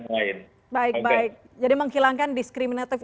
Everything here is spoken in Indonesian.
baik baik jadi menghilangkan diskriminatif